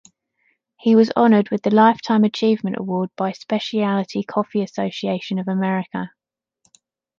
He was honored with the Lifetime Achievement Award by Specialty Coffee Association of America.